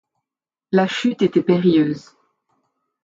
La chute était périlleuse.